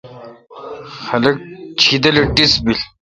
خلق شیدل اے ٹیس بیل۔